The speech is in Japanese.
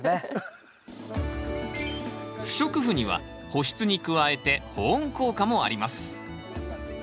不織布には保湿に加えて保温効果もあります。